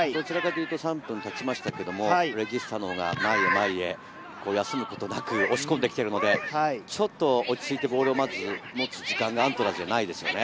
３分経ちましたけれど、レジスタのほうが前へ前へ休むことなく押し込んで来ているので、ちょっと落ち着いてボールを持つ時間がアントラーズにはないですよね。